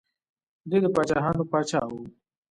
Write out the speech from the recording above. دی د پاچاهانو پاچا و.